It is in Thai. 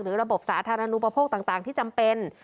ระบบสาธารณูปโภคต่างที่จำเป็น